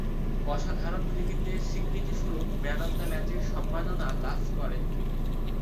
অসাধারণ কৃতিত্বের স্বীকৃতিস্বরূপ ম্যান অব দ্য ম্যাচের সম্মাননা লাভ করেন তিনি।